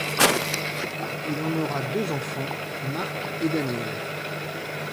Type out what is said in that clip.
Il en aura deux enfants, Marc et Danièle.